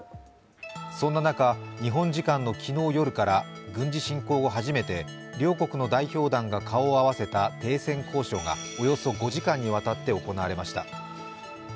そんな中、日本時間の昨日夜から軍事侵攻後、初めて両国の代表団が顔を合わせた停戦交渉がおよそ５時間にわたって行われました。